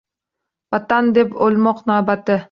Vatan deb o’lmoqlik navbati